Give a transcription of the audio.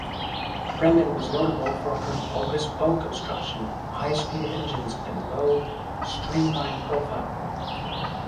"Bremen" was notable for her bulbous bow construction, high-speed engines, and low, streamlined profile.